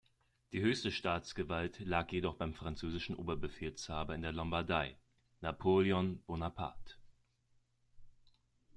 Die höchste Staatsgewalt lag jedoch beim französischen Oberbefehlshaber in der Lombardei, Napoleon Bonaparte.